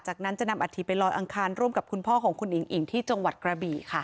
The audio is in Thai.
จากนั้นจะนำอัฐิไปลอยอังคารร่วมกับคุณพ่อของคุณอิ๋งอิ่งที่จังหวัดกระบี่ค่ะ